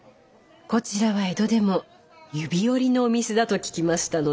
こちらは江戸でも指折りのお店だと聞きましたので。